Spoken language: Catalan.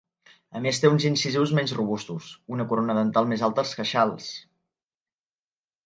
A més té uns incisius menys robustos, una corona dental més alta als queixals.